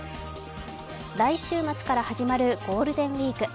来週末から始まるゴールデンウイーク。